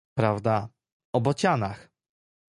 "prawda, o bocianach!"